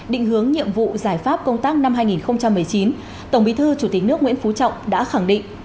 định hướng nhiệm vụ giải pháp công tác năm hai nghìn một mươi chín tổng bí thư chủ tịch nước nguyễn phú trọng đã khẳng định